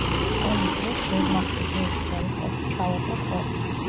ომის დროს ვერმახტის ბევრი ჯარისკაცი ჩავარდა ტყვედ.